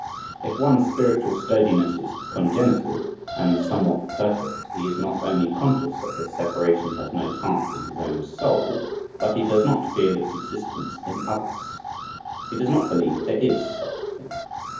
If one's spiritual sturdiness is congenital and somewhat perfect he is not only conscious that this separation has no part in his own soul, but he does not feel its existence in others. He does not believe there is such a thing.